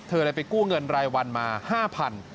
เลยไปกู้เงินรายวันมา๕๐๐บาท